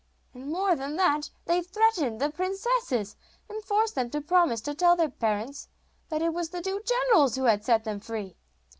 And, more than that, they threatened the princesses, and forced them to promise to tell their parents that it was the two generals who had set them free.